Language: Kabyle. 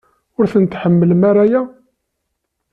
Ur tḥemmlem ara aya?